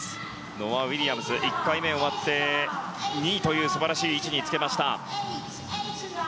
ノア・ウィリアムズ１回目終わって２位という素晴らしい位置につけました。